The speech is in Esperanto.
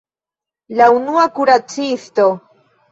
La unua kuracisto!